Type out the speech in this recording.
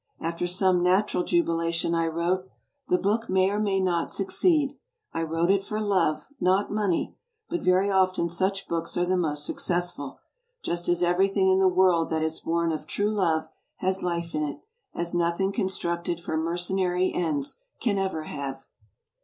Afrer some natural jubilation I wrote: "The book may or may not suc ceed. I wrote it for love, not money, but very often such books are the most successful, just as everything in the world that is bom of true love has life in it, as nothing constructed for mercenary ends can ever have.